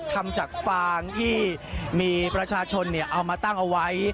ทำจากฟางที่มีประชาชนเอามาตั้งเอาไว้